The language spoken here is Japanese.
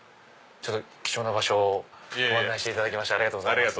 貴重な場所をご案内していただきありがとうございます。